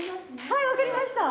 はい分かりました。